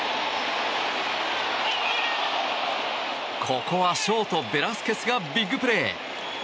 ここはショート、ベラスケスがビッグプレー。